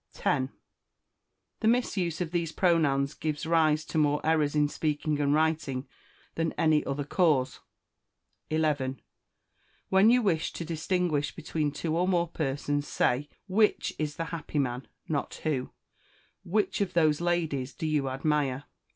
10. The misuse of these pronouns gives rise to more errors in speaking and writing than any other cause. 11. When you wish to distinguish between two or more persons, say, "Which is the happy man?" not who "Which of those ladies do you admire?"